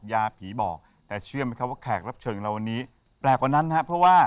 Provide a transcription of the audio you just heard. ยาผีบอกแต่เชื่อไหมครับว่าแขกรับเชิญของเราวันนี้แปลกกว่านั้นนะครับเพราะว่า